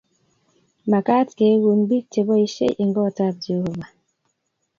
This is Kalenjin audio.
Makaat keeku bik che boisheieng kot ab Jehovah